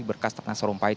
berkas ratna sarumpait